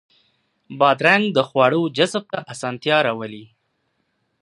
بادرنګ د خواړو جذب ته اسانتیا راولي.